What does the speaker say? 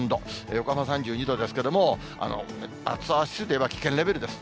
横浜３２度ですけども、暑さ指数でいえば危険レベルです。